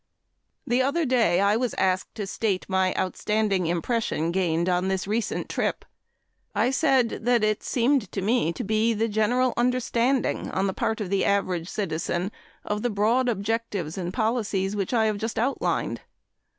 The other day I was asked to state my outstanding impression gained on this recent trip. I said that it seemed to me to be the general understanding on the part of the average citizen of the broad objectives and policies which I have just outlined.